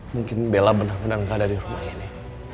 mungkin bella benar benar gak ada di rumah ini